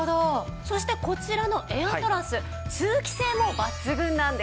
そしてこちらのエアトラス通気性も抜群なんです。